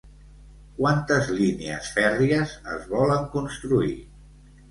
Quantes línies fèrries es volen construir?